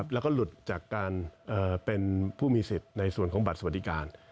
แล้วก็หลุดจากการเป็นผู้มีสิทธิ์ในส่วนของบัตรสวัสดิการ